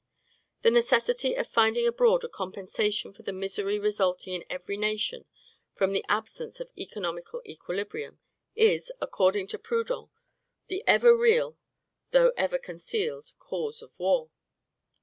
The necessity of finding abroad a compensation for the misery resulting in every nation from the absence of economical equilibrium, is, according to Proudhon, the ever real, though ever concealed, cause of war.